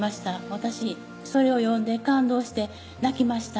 私それを読んで感動して泣きました